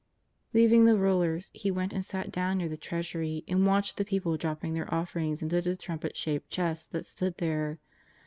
" Leaving the rulers. He went and sat down near the Treasury and watched the people dropping their offer ings into the trumpet shaped chests that stood there.